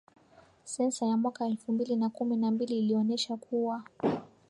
Sensa ya mwaka elfu mbili na kumi na mbili ilionesha kuwa